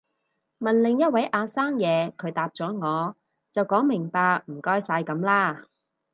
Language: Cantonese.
問另一位阿生嘢，佢答咗我就講明白唔該晒噉啦